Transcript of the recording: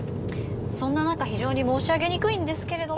そんな中非常に申し上げにくいんですけれどもはいはい。